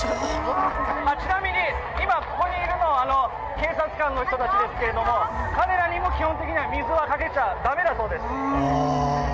ちなみに今、ここにいるのは警察官の人たちですけども、彼らにも基本的には水をかけちゃ駄目だそうです。